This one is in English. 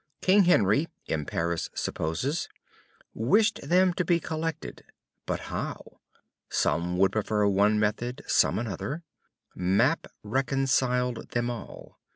King Henry, M. Paris supposes, wished them to be collected, but how? Some would prefer one method, some another; Map reconciled all.